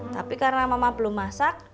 tapi karena mama belum masak